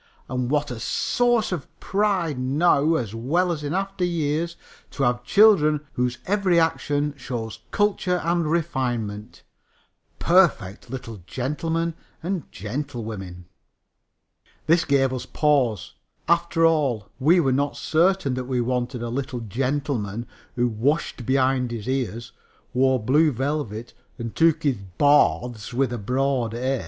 And what a source of pride now as well as in after years! To have children whose every action shows culture and refinement perfect little gentlemen and gentlewomen." This gave us pause. After all, we were not certain that we wanted a little gentleman who washed behind the ears, wore blue velvet and took his baths with a broad "a."